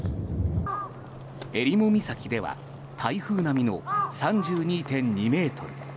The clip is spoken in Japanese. えりも岬では台風並みの３２．２メートル。